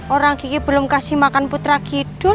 orang gigi belum kasih makan putra kidul